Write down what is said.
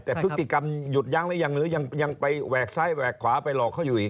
แต่พฤติกรรมหยุดยั้งหรือยังหรือยังไปแหวกซ้ายแหวกขวาไปหลอกเขาอยู่อีก